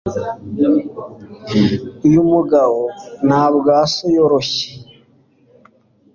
uyu mugabo ntabwso yoroshye